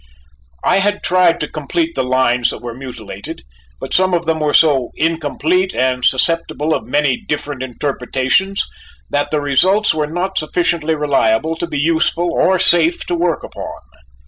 I had tried to complete the lines that were mutilated, but some of them were so incomplete and susceptible of so many different interpretations that the results were not sufficiently reliable to be useful or safe to work upon.